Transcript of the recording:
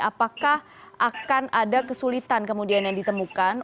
apakah akan ada kesulitan kemudian yang ditemukan